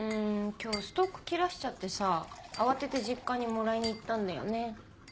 今日ストック切らしちゃってさ慌てて実家にもらいに行ったんだよね。